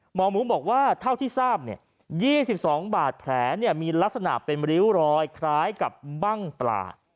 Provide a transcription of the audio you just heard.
หมอหมูบอกว่าเท่าที่ทราบ๒๒บาดแผลมีลักษณะเป็นริ้วรอยคล้ายกับบั้งปลา